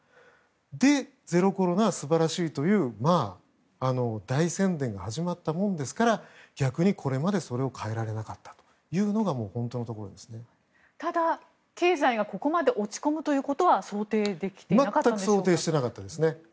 で、ゼロコロナは素晴らしいとう大宣伝が始まったものですから逆にこれまでそれを変えられなかったというのがただ、経済がここまで落ち込むということは想定できていなかったんでしょうか。